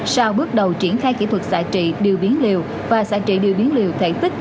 sau bước đầu triển khai kỹ thuật xả trị điều biến liều và xả trị điều biến liều thể tích